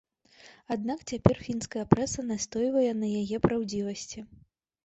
Аднак цяпер фінская прэса настойвае на яе праўдзівасці.